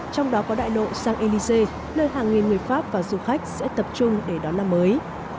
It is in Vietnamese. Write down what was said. trong đó có đại lộ saint élysée nơi hàng nghìn người pháp và du khách sẽ tập trung để đón năm mới